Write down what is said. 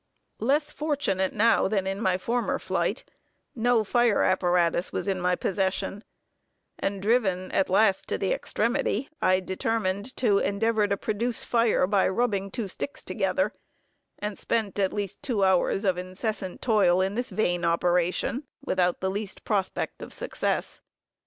Less fortunate now than in my former flight, no fire apparatus was in my possession, and driven at last to the extremity, I determined to endeavor to produce fire by rubbing two sticks together, and spent at least two hours of incessant toil, in this vain operation, without the least prospect of success.